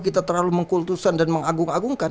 kita terlalu mengkultusan dan mengagung agungkan